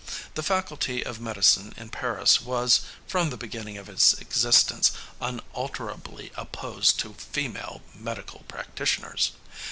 The Faculty of Medicine in Paris was, from the beginning of its existence, unalterably opposed to female medical practitioners.